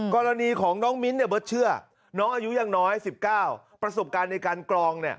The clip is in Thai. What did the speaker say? กรณีของน้องมิ้นท์เบิร์ตเชื่อน้องอายุยังน้อย๑๙ประสบการณ์ในการกรอง